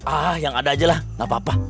ah yang ada ajalah nggak apa apa